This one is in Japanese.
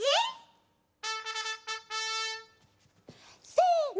せの！